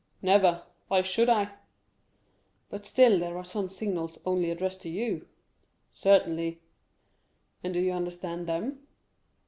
"Never. Why should I?" "But still there are some signals only addressed to you." "Certainly." "And do you understand them?"